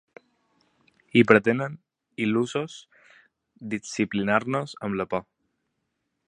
I pretenen, il·lusos, disciplinar-nos amb la por.